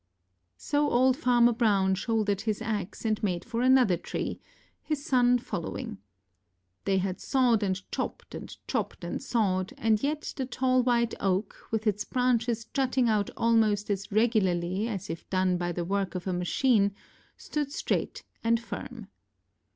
ŌĆØ So old Farmer Brown shouldered his axe and made for another tree, his son following. They had sawed and chopped and chopped and sawed, and yet the tall white oak, with its branches jutting out almost as regularly as if done by the work of a machine, stood straight and firm.